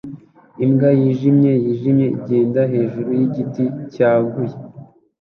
Imbwa yijimye yijimye igenda hejuru yigiti cyaguye